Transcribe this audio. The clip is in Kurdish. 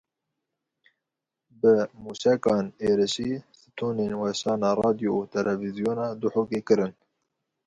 Bi mûşekan êrişî stûnên weşana radyo û televîzyona Duhokê kirin.